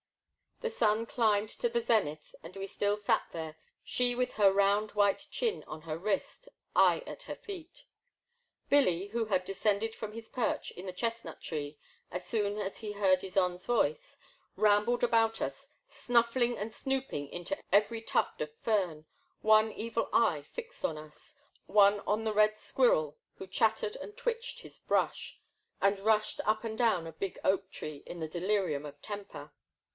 The sun climbed to the zenith and still we sat there, she with her round white chin on her wrist, I at her feet. Billy, who had descended from his perch in the chestnut tree as soon as he heard Ysonde*s voice, rambled about us, snuffing and snooping into every tuft of fern, one evil eye fixed on us, one on the red squirrel who chattered and twitched his brush, and rushed up and down a big oak tree in a delirium of temper.